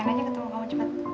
pengen aja ketemu kamu cepat